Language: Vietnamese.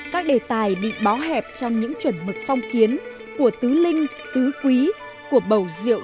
các đề tài bị bó hẹp trong những chuẩn mực phong kiến của tứ linh tứ quý của bầu rượu